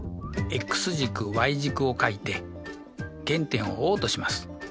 ｘ軸ｙ軸をかいて原点をＯとします。